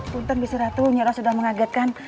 punten biseratu nyiiroh sudah mengagetkan